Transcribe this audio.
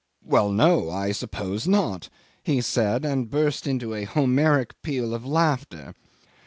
"Well, no! I suppose not," he said, and burst into a Homeric peal of laughter.